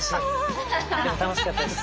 でも楽しかったです。